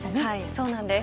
そうなんです。